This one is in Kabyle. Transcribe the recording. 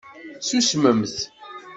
Tusmemt.